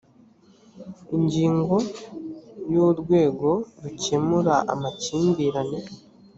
ingingo ya urwego rukemura amakimbirane